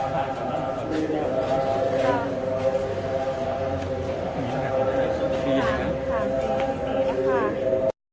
โปรดติดตามตอนต่อไป